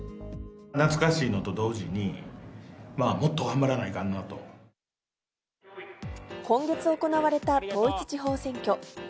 懐かしいのと同時に、今月行われた統一地方選挙。